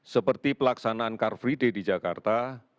seperti pelaksanaan car free day di jakarta